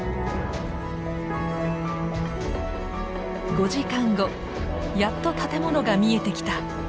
５時間後やっと建物が見えてきた！